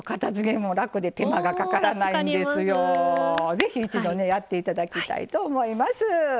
ぜひ一度ねやって頂きたいと思います。